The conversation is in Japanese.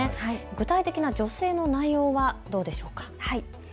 具体的な助成の内容はどうでしょうか。